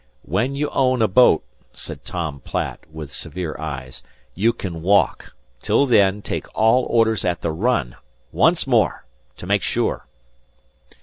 "When you own a boat," said Tom Platt, with severe eyes, "you can walk. Till then, take all orders at the run. Once more to make sure!"